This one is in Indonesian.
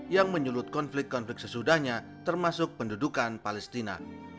yang menyulut konflik konflik sesudahnya termasuk pendudukan palestina